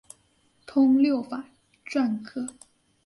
通六法篆刻。